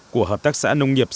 của hợp tác xã nông nghiệp